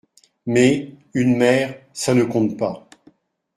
Mais, une mère, ça ne compte pas.